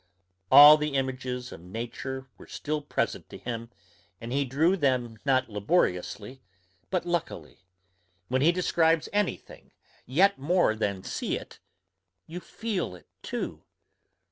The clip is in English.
All the images of nature were still present to him, and he drew them not laboriously, but luckily: when he describes any thing, you more than see it, you feel it too.